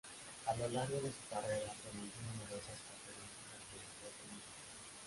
A lo largo de su carrera pronunció numerosas conferencias alrededor del mundo.